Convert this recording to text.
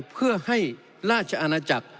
เพื่อให้ราชอาณาจักร